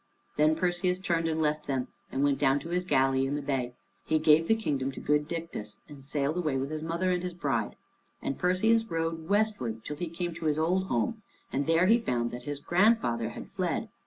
Then Perseus turned and left them, and went down to his galley in the bay. He gave the kingdom to good Dictys, and sailed away with his mother and his bride. And Perseus rowed westward till he came to his old home, and there he found that his grandfather had fled.